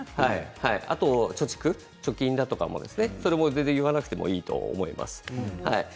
あと貯蓄、貯金もそれも全然言わなくてもいいと思います。